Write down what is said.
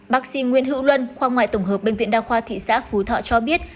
bác sĩ nguyễn hữu luân khoa ngoại tổng hợp bệnh viện đa khoa thị xã phú thọ cho biết